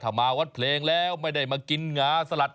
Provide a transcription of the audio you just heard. ถ้ามาวัดเพลงแล้วไม่ได้มากินหงาสลัด